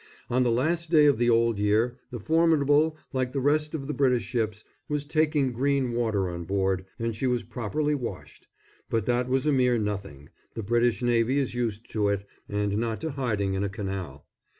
On the last day of the Old Year the Formidable, like the rest of the British ships, was taking green water on board and she was properly washed. But that was a mere nothing the British Navy is used to it, and not to hiding in a canal.